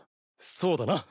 そうだな。